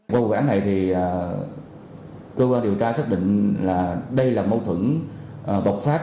vào cuộc gãn này thì cơ quan điều tra xác định là đây là mâu thuẫn bọc phát